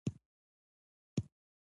په جنګ کې رستم چېرته ووژل شو.